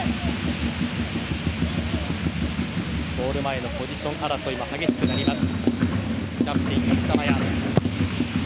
ゴール前のポジション争いも激しくなります。